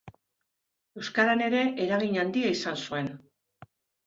Euskaran ere eragin handia izan zuen.